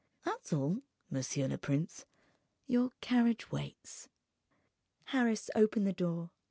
That's all, monsieur le prince. Your carriage waits." Harris opened the door.